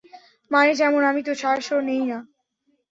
মানে, যেমন- আমি তো শ্বাসও নেই না।